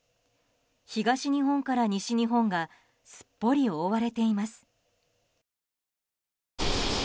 東日本から西日本がすっぽり覆われています。